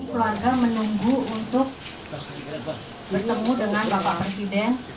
keluarga menunggu untuk bertemu dengan bapak presiden